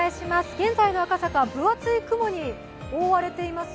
現在の赤坂、分厚い雲に覆われています。